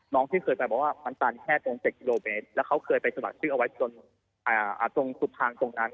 ที่เคยไปบอกว่ามันตันแค่ตรง๗กิโลเมตรแล้วเขาเคยไปสมัครชื่อเอาไว้จนตรงสุดทางตรงนั้น